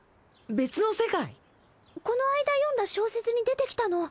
この間読んだ小説に出てきたの。